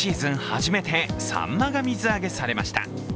初めてさんまが水揚げされました。